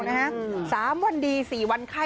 ๓วันดี๔วันไข้